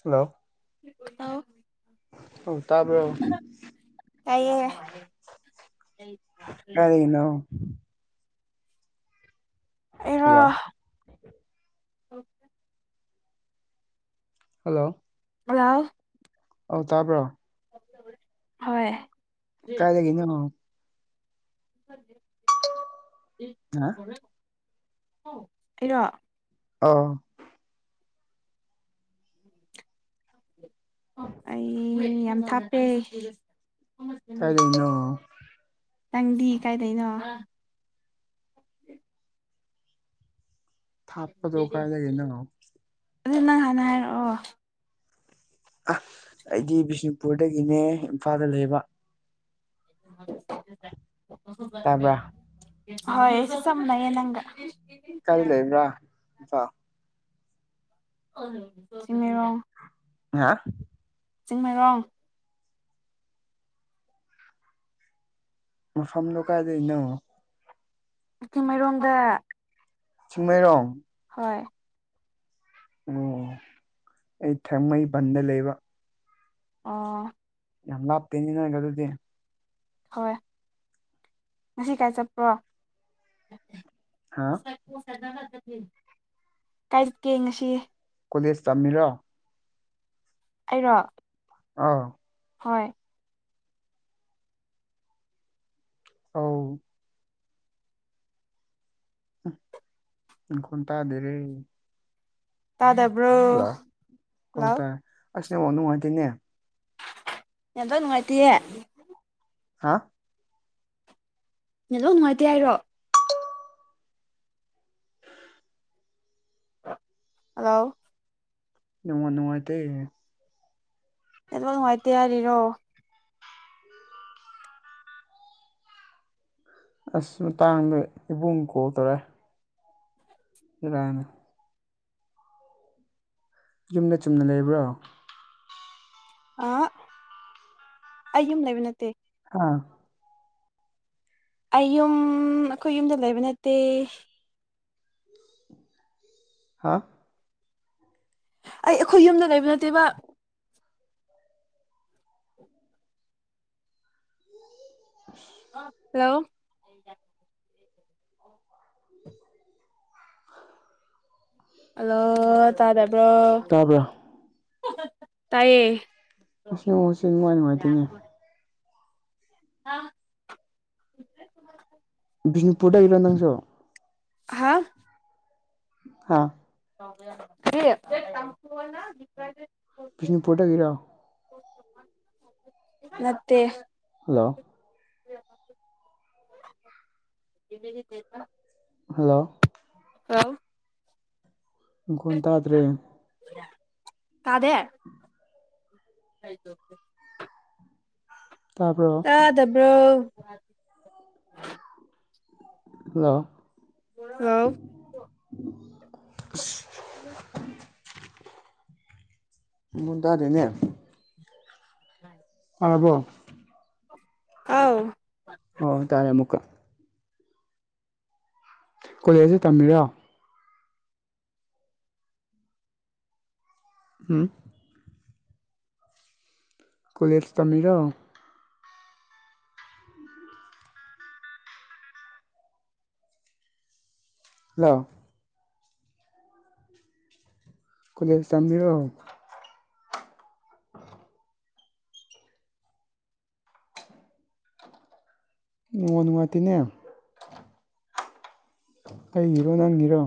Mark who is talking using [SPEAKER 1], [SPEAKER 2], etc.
[SPEAKER 1] hello ꯑꯧ ꯇꯥꯕꯔꯣ
[SPEAKER 2] ꯇꯥꯏꯌꯦ
[SPEAKER 1] ꯑꯔꯅ
[SPEAKER 2] ꯑꯩꯔꯣ
[SPEAKER 1] ꯍꯜꯂꯣ ꯍꯜꯂꯣ
[SPEAKER 2] ꯍꯂꯥꯎ
[SPEAKER 1] ꯑꯧ ꯇꯥꯕ꯭ꯔꯣ
[SPEAKER 2] ꯍꯣꯏ
[SPEAKER 1] ꯀꯥꯏ ꯂꯩꯒꯦꯅꯪ ꯍꯥ
[SPEAKER 2] ꯑꯩꯔꯣ
[SPEAKER 1] ꯑ
[SPEAKER 2] ꯑꯩ ꯌꯥꯝ ꯊꯥꯞꯄꯦ
[SPEAKER 1] ꯀꯥꯏ ꯂꯩꯅꯣ
[SPEAKER 2] ꯅꯪꯗꯤ ꯀꯥꯏꯗꯩꯅꯣ
[SPEAKER 1] ꯊꯥꯞꯄꯗ ꯀꯥꯏ ꯂꯩꯗꯒꯤꯦꯅ
[SPEAKER 2] ꯑꯗꯨ ꯅꯪ ꯍꯥꯟꯅ ꯍꯥꯏꯔꯛꯑꯣ
[SPEAKER 1] ꯑ ꯑꯩꯗꯤ ꯕꯤꯁꯅꯨꯄꯨꯔꯗꯒꯤꯅꯦ ꯏꯝꯐꯥꯜꯗ ꯂꯩꯕ
[SPEAKER 2] ꯑꯟꯑꯣꯗꯤꯕꯜ
[SPEAKER 1] ꯇꯥꯕ꯭ꯔ
[SPEAKER 2] ꯍꯣꯏ ꯆꯝꯅ ꯌꯦ ꯅꯪꯒꯥ
[SPEAKER 1] ꯀꯔꯤ ꯂꯩꯕ꯭ꯔꯥꯣ
[SPEAKER 2] ꯔꯣ
[SPEAKER 1] ꯍꯥ
[SPEAKER 2] ꯀꯛ ꯆꯤꯡꯃꯩꯔꯣꯡ
[SPEAKER 1] ꯃꯐꯝꯐꯝꯗ ꯀꯥꯏꯗꯅ
[SPEAKER 2] ꯏꯤꯡꯃꯔꯣꯡꯗ
[SPEAKER 1] ꯆꯃꯩꯔꯣꯡ
[SPEAKER 2] ꯍꯣꯏ
[SPEAKER 1] ꯑꯣ ꯑꯩ ꯊꯦꯡꯃꯩ ꯕꯟꯗ ꯂꯩꯕ
[SPEAKER 2] ꯑꯣ
[SPEAKER 1] ꯌꯥꯝ ꯂꯥꯞꯇꯦꯅꯤꯅꯒ ꯑꯗꯨꯗꯤ
[SPEAKER 2] ꯍꯣꯏ ꯉꯁꯤ ꯀꯥꯏ ꯆꯠꯄ꯭ꯔꯣ
[SPEAKER 1] ꯍꯥ
[SPEAKER 2] ꯀꯥꯏꯠꯀꯦ ꯉꯁꯤ
[SPEAKER 1] ꯀꯣꯂꯦꯖ ꯇꯝꯃꯤꯔꯣ
[SPEAKER 2] ꯑꯩꯔꯣ
[SPEAKER 1] ꯑꯥ
[SPEAKER 2] ꯍꯣꯏ
[SPEAKER 1] ꯑꯥꯎ ꯈꯟꯇꯗꯔꯦ
[SPEAKER 2] ꯇꯥꯗꯕ꯭ꯔꯣ ꯂꯑꯣ
[SPEAKER 1] ꯑꯁꯅꯦꯕ ꯅꯨꯡꯉꯥꯏꯇꯦꯅꯦ
[SPEAKER 2] ꯌꯦꯇ ꯅꯨꯡꯉꯥꯏꯇꯌꯦ
[SPEAKER 1] ꯍꯥ
[SPEAKER 2] ꯅ ꯂꯣꯏ ꯅꯨꯡꯉꯥꯏꯇꯦ ꯍꯥꯏꯔꯣ ꯍꯜꯂꯣ
[SPEAKER 1] ꯏꯉ ꯅꯅꯨꯡꯥꯏꯇꯦ
[SPEAKER 2] ꯅ ꯅꯨꯡꯉꯥꯏꯇꯦ ꯌꯥꯔꯤꯔꯣ
[SPEAKER 1] ꯑꯁ ꯃꯇꯥꯡꯗ ꯏꯕꯨꯡ ꯀꯣꯜ ꯇꯧꯔꯦ ꯏꯅ ꯌꯨꯝꯗ ꯆꯨꯝꯅ ꯂꯩꯕ꯭ꯔꯣ
[SPEAKER 2] ꯑ ꯑꯩꯌꯨꯝ ꯂꯩꯕ ꯅꯠꯇꯦ
[SPEAKER 1] ꯑꯥ
[SPEAKER 2] ꯑꯩ ꯌꯨꯝ ꯑꯩꯈꯣꯏ ꯌꯨꯝꯗ ꯂꯩꯕ ꯅꯠꯇꯦ
[SPEAKER 1] ꯍꯥ
[SPEAKER 2] ꯑꯩ ꯑꯩꯈꯣꯏ ꯌꯨꯝꯗ ꯂꯩꯩꯕ ꯅꯠꯇꯦꯕ ꯍꯜꯂꯣ ꯍꯜꯂꯣ ꯇꯥꯗꯕ꯭ꯔꯣ
[SPEAKER 1] ꯇꯥꯕ꯭ꯔꯥ
[SPEAKER 2] ꯇꯥꯏꯌꯦ
[SPEAKER 1] ꯉ ꯃꯍꯁꯦ ꯅꯨꯡꯉꯥꯏ ꯅꯨꯡꯉꯥꯏꯇꯣꯏꯅꯦ
[SPEAKER 2] ꯑ
[SPEAKER 1] ꯕꯤꯁꯅꯨꯄꯨꯔꯗ ꯍꯔꯗꯪꯁꯨꯣ
[SPEAKER 2] ꯍꯥ
[SPEAKER 1] ꯑꯥ
[SPEAKER 2] ꯌꯦ
[SPEAKER 1] ꯄꯕꯤꯁꯅ ꯐꯣꯇꯣꯛꯒꯔꯑꯣ
[SPEAKER 2] ꯅꯠꯇꯦ
[SPEAKER 1] ꯍꯜꯂꯣ ꯍꯜꯂꯣ
[SPEAKER 2] ꯑ
[SPEAKER 1] ꯈꯣꯟ ꯇꯥꯗ꯭ꯔꯦ
[SPEAKER 2] ꯀꯗ ꯍꯥꯏꯀꯦ
[SPEAKER 1] ꯇꯥꯕ꯭ꯔꯣ
[SPEAKER 2] ꯇꯥꯗꯕ꯭ꯔꯣ
[SPEAKER 1] ꯍꯜꯂꯣ
[SPEAKER 2] ꯑꯥꯎ ꯎꯝ
[SPEAKER 1] ꯃꯗꯥ ꯑꯗꯨꯅꯦ
[SPEAKER 2] ꯎꯝ
[SPEAKER 1] ꯐꯔꯕꯣ
[SPEAKER 2] ꯑꯥꯎ
[SPEAKER 1] ꯑꯣ ꯇꯥꯔꯦ ꯑꯃꯨꯛꯀ ꯀꯣꯂꯦꯖꯁꯤ ꯇꯝꯃꯤꯔꯣ ꯎꯝ ꯀꯣꯂꯦꯖꯇꯃꯤꯔꯣ ꯍꯜꯂꯣ ꯀꯂꯖ ꯆꯝꯕꯤꯕ ꯑꯣꯟ ꯃꯥꯇꯅꯦꯦ ꯑꯩꯒꯤꯔꯣ ꯅꯪꯒꯤꯔꯣ